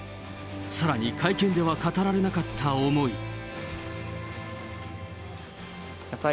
さらに会見では語られなかった思い。